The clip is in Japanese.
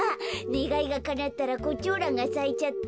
ねがいがかなったらコチョウランがさいちゃった。